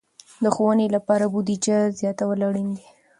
د ښوونې لپاره بودیجه زیاتول اړین دي.